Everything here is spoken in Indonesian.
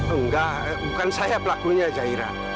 enggak bukan saya pelakunya jaira